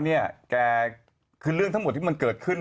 เนี่ยแกคือเรื่องทั้งหมดที่มันเกิดขึ้น